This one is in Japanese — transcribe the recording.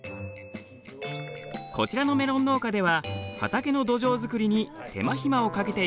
こちらのメロン農家では畑の土壌作りに手間ひまをかけているそうです。